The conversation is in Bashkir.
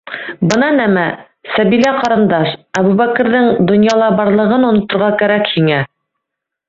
Бына нәмә, Сәбилә ҡарындаш: Әбүбәкерҙең донъяла барлығын оноторға кәрәк һиңә.